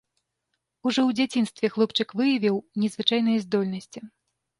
Ужо ў дзяцінстве хлопчык выявіў незвычайныя здольнасці.